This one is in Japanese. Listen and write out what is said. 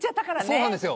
そうなんですよ。